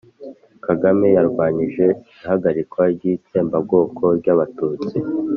kagame yarwanyije ihagarikwa ry'itsembabwoko ry'abatutsi